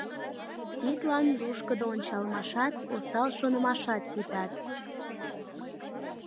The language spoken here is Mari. Тидлан лушкыдо ончалмашат, осал шонымашат ситат.